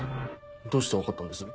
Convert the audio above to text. どうして分かったんです？